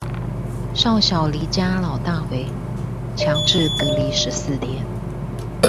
少小離家老大回，強制隔離十四天